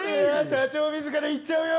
社長、自らいっちゃうよ。